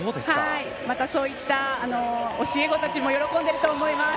そういった教え子たちも喜んでいると思います。